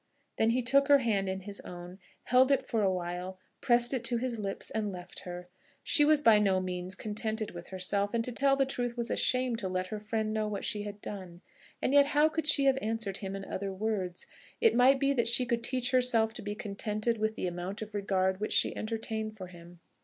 Then he took her hand in his own, held it for a while, pressed it to his lips, and left her. She was by no means contented with herself, and, to tell the truth, was ashamed to let her friend know what she had done. And yet how could she have answered him in other words? It might be that she could teach herself to be contented with the amount of regard which she entertained for him.